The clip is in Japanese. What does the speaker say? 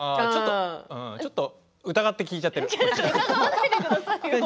ちょっと疑って聞いちゃった。